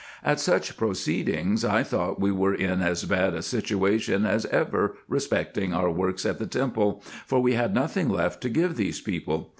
At such proceedings I thought we were in as bad a situation as ever respecting our works at the temple, for we had nothing left to give these people.